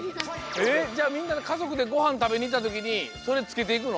じゃあみんなでかぞくでごはんたべにいったときにそれつけていくの？